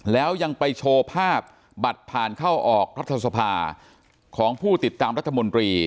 แล้วยังไปโชว์ภาพบัตรผ่านเข้าออกรัฐสภาของผู้ติดตามรัฐมนตรี